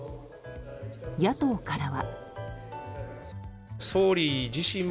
野党からは。